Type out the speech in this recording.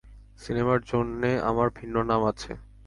সিনেমার জন্যে আমার ভিন্ন নাম আছে।